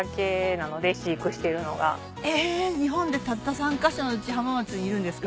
日本でたった３カ所のうち浜松にいるんですか？